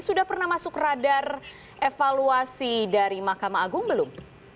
sudah pernah masuk radar evaluasi dari mahkamah agung belum